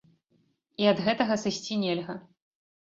І ад гэтага сысці нельга.